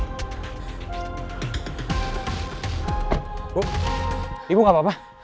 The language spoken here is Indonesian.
ibu ibu gak apa apa